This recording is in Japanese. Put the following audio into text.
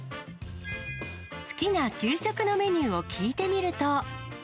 好きな給食のメニューを聞いてみると。